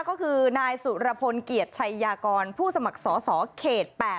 ก็คือนายสุรพลเกียรติชัยยากรผู้สมัครสอสอเขต๘